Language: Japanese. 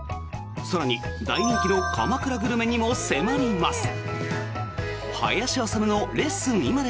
更に、大人気の鎌倉グルメにも迫ります。